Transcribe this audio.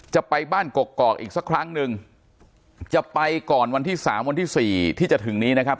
จะไปบ้านกกอกอีกสักครั้งหนึ่งจะไปก่อนวันที่สามวันที่สี่ที่จะถึงนี้นะครับ